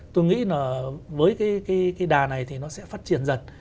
tôi nghĩ là với cái đà này thì nó sẽ phát triển dần